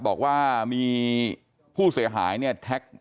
บอกว่ามีผู้เสียหายเนี่ยแท็ก